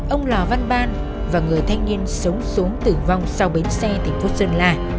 ông lò văn ban và người thanh niên sống xuống tử vong sau bến xe tỉnh phút sơn la